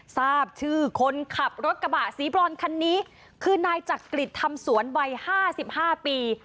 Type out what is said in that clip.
ทราบชื่อคนขับรถกระบะสีบรอนคันนี้คือนายจักริจทำสวนวัย๕๕ปี